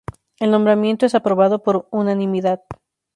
El nombramiento es aprobado por unanimidad.